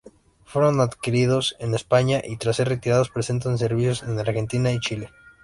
Fueron adquiridos en España, y tras ser retirados prestan servicio en Argentina y Chile.